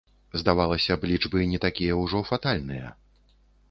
Здавалася б, лічбы не такія ўжо фатальныя.